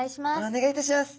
お願いいたします。